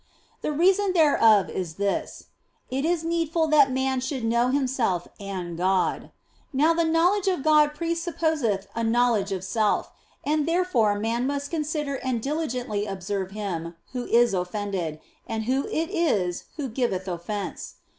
The reason thereof is this : it is needful that man should know himself and God. Now the knowledge of God pre supposeth a knowledge of self, and therefore man must consider and diligently observe Him who is offended and who it is who giveth offence.